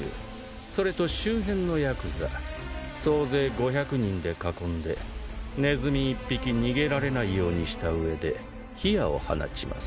それと周辺のヤクザ総勢５００人で囲んでネズミ一匹逃げられないようにした上で火矢を放ちます。